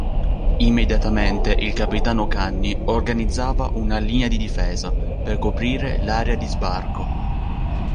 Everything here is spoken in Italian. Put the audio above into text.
Immediatamente il capitano Cagni organizzava una linea di difesa per coprire l'area di sbarco.